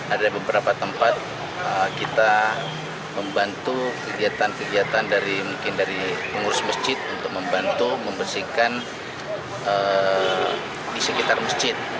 ada beberapa tempat kita membantu kegiatan kegiatan dari mungkin dari pengurus masjid untuk membantu membersihkan di sekitar masjid